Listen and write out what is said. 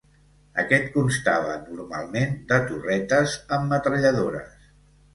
Aquest constava normalment de torretes amb metralladores.